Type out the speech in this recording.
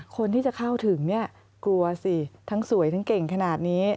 คนที่จะเข้าถึงเนี่ยกลัวสิทั้งสวยทั้งเก่งขนาดนี้